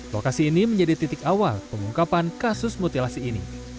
lokasi ini menjadi titik awal pengungkapan kasus mutilasi ini